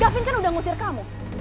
gavin kan udah ngusir kamu